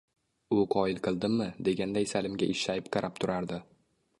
U qoyil qildimmi, deganday Salimga ishshayib qarab turardi.